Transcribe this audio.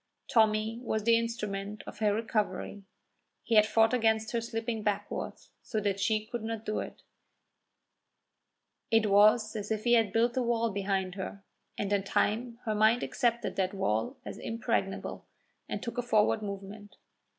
Tommy was the instrument of her recovery. He had fought against her slipping backward so that she could not do it; it was as if he had built a wall behind her, and in time her mind accepted that wall as impregnable and took a forward movement.